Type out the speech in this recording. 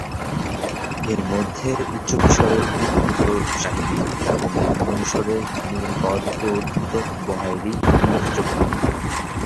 এর মধ্যে উচ্চ মিশরে উদ্ভূত "সাহিদীয়" এবং নিম্ন মিশরের নীল বদ্বীপে উদ্ভূত "বোহাইরীয়" উল্লেখযোগ্য।